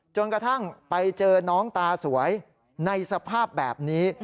จนกระทั่งไปเจอน้องตาสวยในสภาพแบบนี้